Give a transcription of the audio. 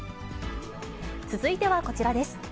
続いてはこちらです。